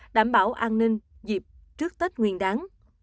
đảm bảo an ninh dịp trước tết nguyên đáng